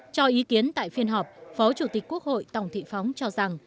cho ý kiến tại phiên họp phó chủ tịch quốc hội tòng thị phóng cho rằng